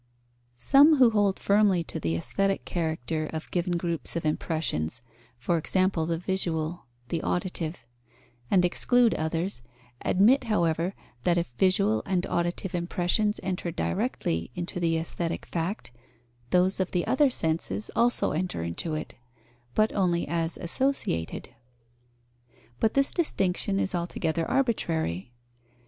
Some who hold firmly to the aesthetic character of given groups of impressions (for example, the visual, the auditive), and exclude others, admit, however, that if visual and auditive impressions enter directly into the aesthetic fact, those of the other senses also enter into it, but only as associated. But this distinction is altogether arbitrary.